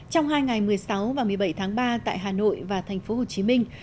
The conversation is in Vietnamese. trong hai ngày một mươi sáu và một mươi bảy tháng ba tại hà nội và thành phố hồ chí minh